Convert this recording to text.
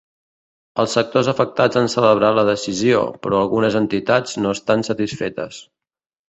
Els sectors afectats han celebrat la decisió, però algunes entitats no estan satisfetes.